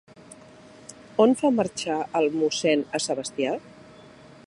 On fa marxar el mossèn a Sebastià?